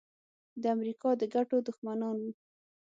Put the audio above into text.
د امریکا د ګټو دښمنان وو.